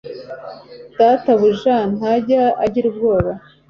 data buja ntajya agira ubwoba